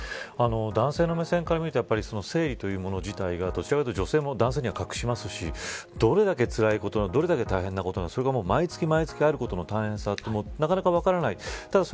男性の目線から見ると生理というもの自体がどちらかというと女性も男性には隠しますしどれだけつらいことどれだけ大変なことそれが毎月あることも大変さも、なかなか分からない